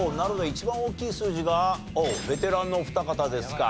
一番大きい数字がベテランのお二方ですか。